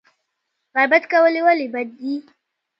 غیبت کول ولې بد دي؟